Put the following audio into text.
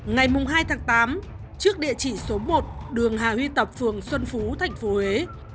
ngày hai tháng tám trước địa chỉ số một đường hà huy tập phường xuân phú tp huế